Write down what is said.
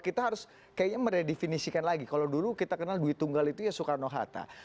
kita harus kayaknya meredefinisikan lagi kalau dulu kita kenal duit tunggal itu ya soekarno hatta